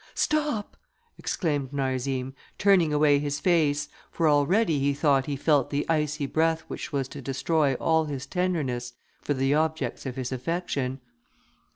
"Stop!" exclaimed Narzim, turning away his face, for already he thought he felt the icy breath which was to destroy all his tenderness for the objects of his affection.